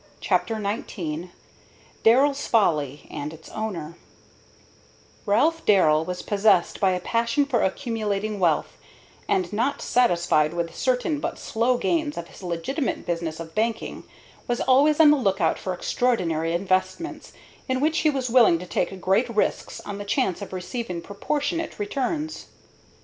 CHAPTER XIX "DARRELL'S FOLLY" AND ITS OWNER Ralph Darrell was possessed by a passion for accumulating wealth, and, not satisfied with the certain but slow gains of his legitimate business of banking, was always on the lookout for extraordinary investments, in which he was willing to take great risks on the chance of receiving proportionate returns.